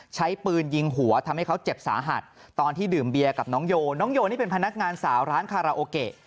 ใช้ปืนยิงหัวทำให้เขาเจ็บสาหัสตอนที่ดื่มเบียกับน้องโยน้องโยนี่เป็นพนักงานสาวร้านคาราโอเกะ